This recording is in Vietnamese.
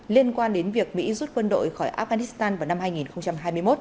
liên quan đến việc mỹ rút quân đội khỏi afghanistan vào năm hai nghìn hai mươi một